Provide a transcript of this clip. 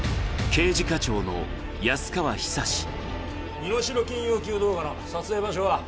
身代金要求動画の撮影場所は？